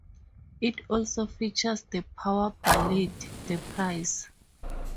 It also features the power ballad "The Price".